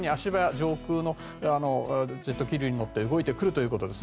上空の気流に乗って動いてくるということです。